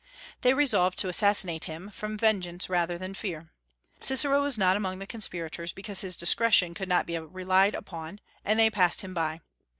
They resolved to assassinate him, from vengeance rather than fear. Cicero was not among the conspirators; because his discretion could not be relied upon, and they passed him by.